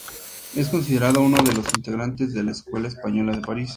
Es considerado uno de los integrantes de la Escuela Española de París.